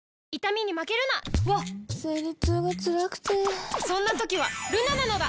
わっ生理痛がつらくてそんな時はルナなのだ！